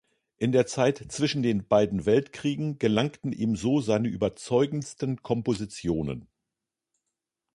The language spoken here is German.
In der Zeit zwischen den beiden Weltkriegen gelangen ihm so seine überzeugendsten Kompositionen.